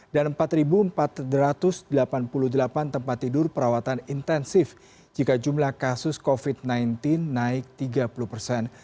dan empat empat ratus delapan puluh delapan tempat tidur perawatan intensif jika jumlah kasus covid sembilan belas naik tiga puluh persen